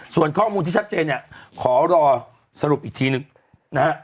ส่วนข้อมูลที่ชัดเจนเนี่ยขอรอสรุปอีกทีหนึ่งนะฮะ